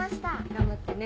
頑張ってね。